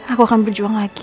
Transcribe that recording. aku akan berjuang lagi